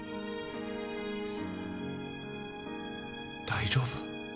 大丈夫？